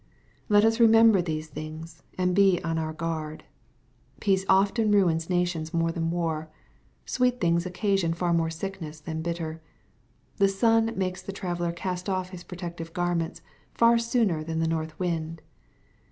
Let us re member these things, and be on our guards Peace often ruins nations more than war. Sweet things occasion far more sicknesses than bitter. The sun makes the traveller cast off his protective garments far sooner than the north wind.